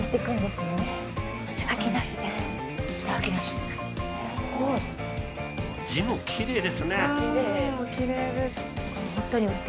すごい。